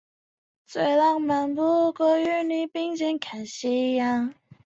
戊辰战争是日本历史上在王政复古中成立的明治新政府击败江户幕府势力的一次内战。